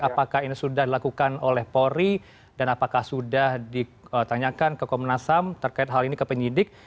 apakah ini sudah dilakukan oleh polri dan apakah sudah ditanyakan ke komnas ham terkait hal ini ke penyidik